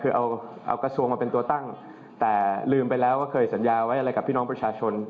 คือเอากระทรวงมาเป็นตัวตั้งแต่ลืมไปแล้วว่าเคยสัญญาไว้อะไรกับพี่น้องประชาชน